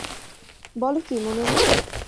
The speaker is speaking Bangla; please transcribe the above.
বল কী, মনে নেই?